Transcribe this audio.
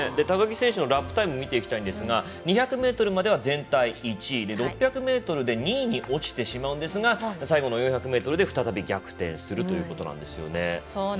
高木選手のラップタイム見ていきたいんですが２００ｍまでは全体１位で６００ｍで２位に落ちてしまんですが最後の１００ｍで再び逆転するということなんですよね。